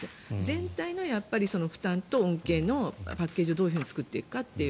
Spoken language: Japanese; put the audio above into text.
全体の負担と恩恵のパッケージをどういうふうに作っていくかという。